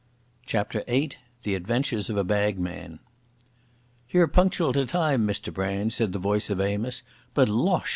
CHAPTER VIII The Adventures of a Bagman "Ye're punctual to time, Mr Brand," said the voice of Amos. "But losh!